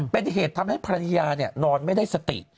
เป็นเหตุทำให้ภรรยานอนไม่ได้สติ